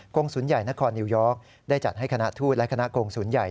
งศูนย์ใหญ่นครนิวยอร์กได้จัดให้คณะทูตและคณะกงศูนย์ใหญ่